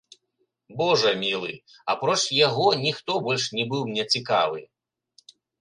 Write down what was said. Божа мілы, апроч яго, ніхто больш не быў мне цікавы.